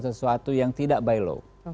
sesuatu yang tidak by law